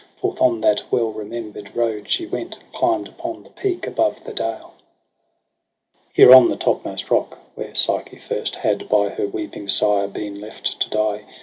Forth on that well remember'd road she went. And climb'd upon the peak above the dale. There on the topmost rock, where Psyche first Had by her weeping sire been left to die.